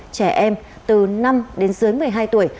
trẻ em từ năm đến dưới một mươi hai tuổi